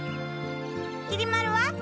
きり丸は？